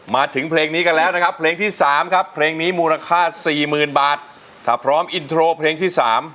มาถึงเพลงนี้กันแล้วนะครับเพลงที่๓ครับเพลงนี้มูลค่าสี่หมื่นบาทถ้าพร้อมอินโทรเพลงที่๓